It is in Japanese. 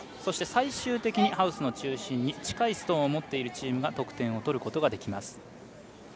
最終的にハウスの中心に近いストーンを持っているチームが得点できます。